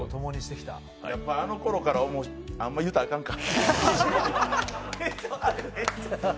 やっぱ、あのころからおもろ言うたらあかんか。